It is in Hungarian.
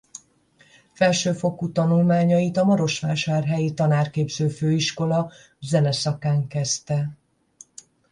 Felsőfokú tanulmányait a marosvásárhelyi tanárképző főiskola zene szakán kezdte.